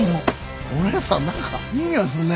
お姉さん何かいい匂いすんね